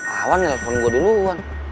awan yang telepon gue dulu wan